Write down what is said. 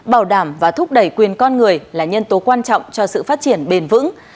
bảo đảm và thúc đẩy quyền con người là nhân tố quan trọng cho sự phát triển bền vững